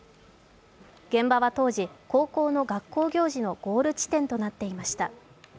現場は当時、高校の学校行事のゴール地点となっていました。